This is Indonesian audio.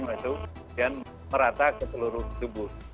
kemudian merata ke seluruh tubuh